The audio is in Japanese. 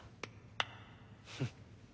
フッ。